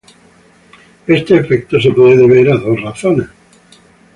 Este efecto se puede deber a dos razones.